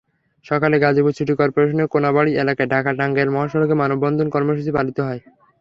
সকালে গাজীপুর সিটি করপোরেশনের কোনাবাড়ী এলাকায় ঢাকা-টাঙ্গাইল মহাসড়কে মানববন্ধন কর্মসূচি পালিত হয়।